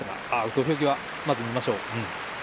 土俵際、見ましょう。